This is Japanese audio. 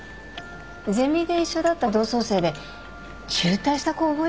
ゼミで一緒だった同窓生で中退した子覚えてない？